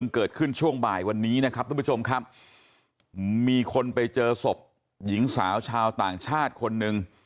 เกิดขึ้นช่วงบ่ายวันนี้นะครับทุกผู้ชมครับมีคนไปเจอศพหญิงสาวชาวต่างชาติคนหนึ่ง